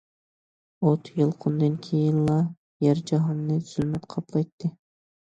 ئوت يالقۇنىدىن كېيىنلا يەر- جاھاننى زۇلمەت قاپلايتتى.